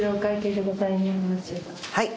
はい。